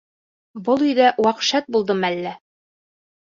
Был өйҙә вәхшәт булдымы әллә?